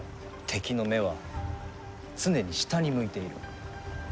敵の目は、常に下に向いている。